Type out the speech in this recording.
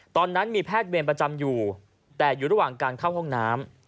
ตอนนั้นมีแพทย์เวรประจำอยู่แต่อยู่ระหว่างการเข้าห้องน้ำ